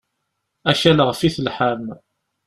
Akal ɣef i telḥam.